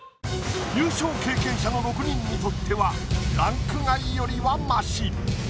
優勝経験者の６人にとってはランク外よりはマシ。